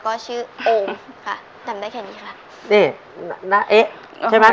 ก็ชื่อโอมค่ะจำได้แค่นี้ค่ะนี่นาเอ๊ะใช่ไหม